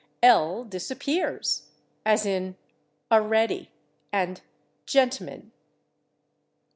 /L/ disappears, as in /a'ready/ and /gent'man